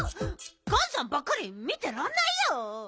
ガンさんばっかり見てらんないよ。